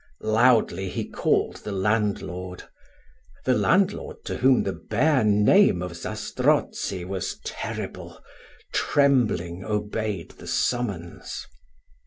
Loudly he called the landlord. The landlord, to whom the bare name of Zastrozzi was terrible, trembling obeyed the summons.